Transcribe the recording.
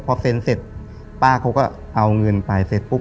พอเซ็นเสร็จป้าเขาก็เอาเงินไปเสร็จปุ๊บ